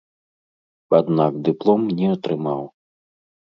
Аднак дыплом не атрымаў.